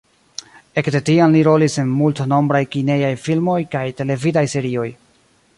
Ekde tiam li rolis en multnombraj kinejaj filmoj kaj televidaj serioj.